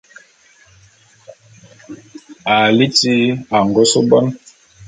À liti angôs bone.